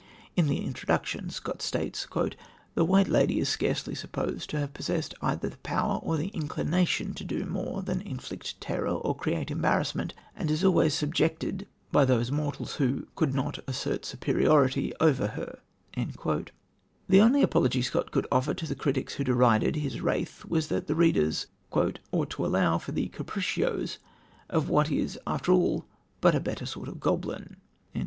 In the Introduction Scott states: "The White Lady is scarcely supposed to have possessed either the power or the inclination to do more than inflict terror or create embarrassment, and is always subjected by those mortals who ... could assert superiority over her." The only apology Scott could offer to the critics who derided his wraith was that the readers "ought to allow for the capriccios of what is after all but a better sort of goblin."